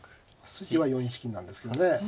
筋は４一金なんですけどね。